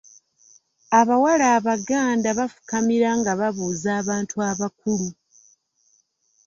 Abawala Abaganda bafukamira nga babuuza abantu abakulu.